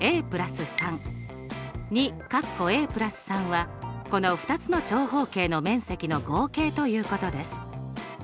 ２はこの２つの長方形の面積の合計ということです。